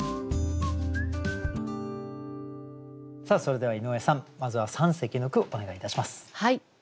さあそれでは井上さんまずは三席の句をお願いいたします。